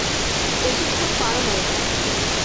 বেশিক্ষণ পার হয়নি।